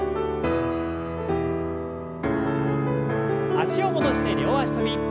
脚を戻して両脚跳び。